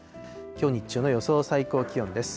きょう日中の予想最高気温です。